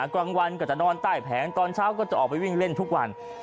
กลางวันก็จะนอนใต้แผงตอนเช้าก็จะออกไปวิ่งเล่นทุกวัน